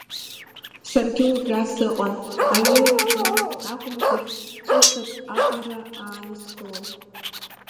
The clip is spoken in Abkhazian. Саргьы убра сыҟан, аҩы ржәуамызт акәымзар, ҵәыцак аҟара ааныскылон.